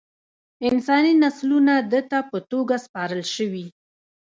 انساني نسلونه ده ته په توګه سپارل شوي.